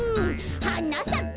「はなさけ